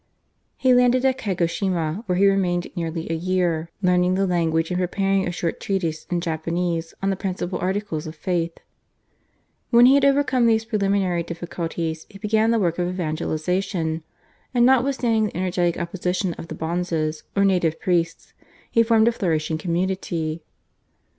He landed at Kagoshima, where he remained nearly a year learning the language and preparing a short treatise in Japanese on the principal articles of faith. When he had overcome these preliminary difficulties he began the work of evangelisation, and notwithstanding the energetic opposition of the bonzes or native priests he formed a flourishing community.